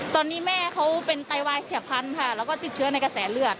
ตอนนี้แม่เขาเป็นไตวายเฉียบพันธุ์ค่ะแล้วก็ติดเชื้อในกระแสเลือด